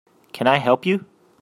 Can I help you?